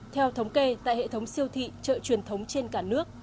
theo thống kê tại hệ thống siêu thị chợ truyền thống trên cả nước